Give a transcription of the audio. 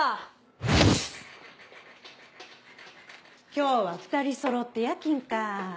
今日は２人そろって夜勤か。